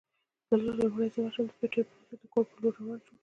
لومړی زه ورشم، د پټیو په منځ کې د کور په لور روان شوم.